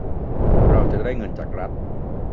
เราจะได้เงินจากรัฐ